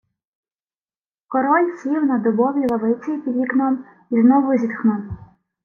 Король сів на дубовій лавиці під вікном і знову зітхнув.